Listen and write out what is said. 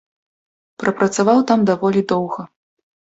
Прапрацаваў там даволі доўга.